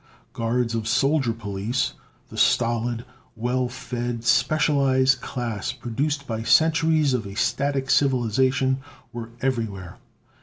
Guards of soldier police, the stolid, well fed, specialized class produced by centuries of a static civilization, were everywhere.